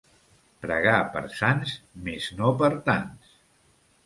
Pregar per sants, mes no per tants.